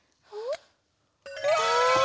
うわ！